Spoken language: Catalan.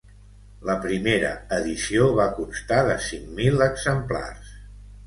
La primera edició va constar de cinc mil exemplars.